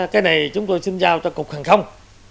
cái này chúng tôi xin giao cho cục hàng không